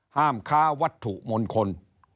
ห้ามค้าวัตถุมนตรคน